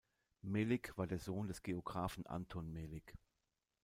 Melik war der Sohn des Geographen Anton Melik.